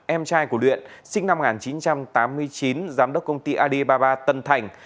em trai của luyện sinh năm một nghìn chín trăm tám mươi chín giám đốc công ty alibaba tân thành